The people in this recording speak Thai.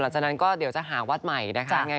หลังจากนั้นก็เดี๋ยวจะหาวัดใหม่นะคะ